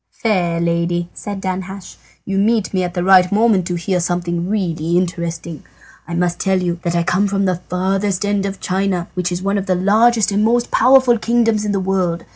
"Fair lady," said Danhasch, "you meet me at the right moment to hear something really interesting. I must tell you that I come from the furthest end of China, which is one of the largest and most powerful kingdoms in the world.